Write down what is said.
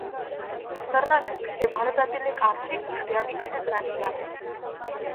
कर्नाटक हे भारतातील एक आर्थिक दृष्ट्या विकसित राज्य आहे.